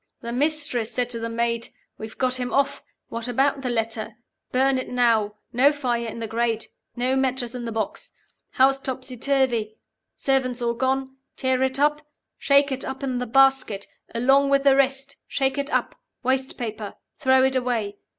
"The Mistress said to the Maid. We've got him off. What about the letter? Burn it now. No fire in the grate. No matches in the box. House topsy turvy. Servants all gone. Tear it up. Shake it up in the basket. Along with the rest. Shake it up. Waste paper. Throw it away.